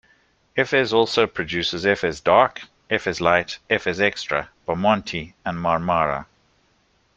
Efes also produces Efes Dark, Efes Light, Efes Extra, Bomonti and Marmara.